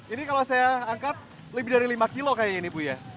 ini kalau saya angkat lebih dari lima kilo kayaknya ini bu ya